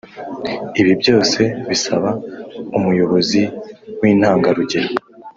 Ibi byose bisaba umuyobozi w’intangarugero